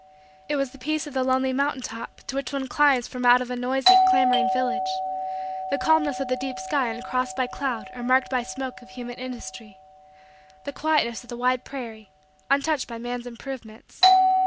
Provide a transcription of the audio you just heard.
It was the peace of the lonely mountain top to which one climbs from out a noisy, clamoring, village; the calmness of the deep sky uncrossed by cloud or marked by smoke of human industry; the quietness of the wide prairie, untouched by man's improvements.